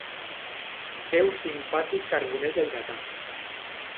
Deu simpàtic carboner lleidatà.